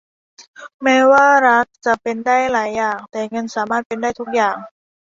แม้ว่ารักจะเป็นได้หลายอย่าง แต่เงินสามารถเป็นได้ทุกอย่าง